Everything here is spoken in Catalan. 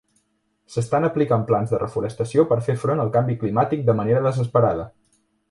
S'estan aplicant plans de reforestació per fer front al canvi climàtic de manera desesperada.